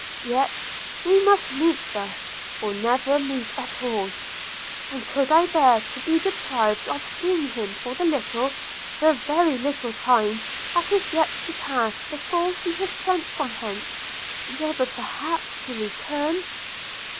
Yet we must meet thus, or never meet at all! – and could I bear to be deprived of seeing him for the little, the very little time that is yet to pass before he is sent from hence – never – never perhaps to return?'